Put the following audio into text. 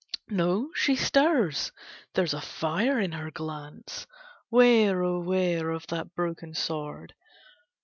No, she stirs! There's a fire in her glance, Ware, oh ware of that broken sword!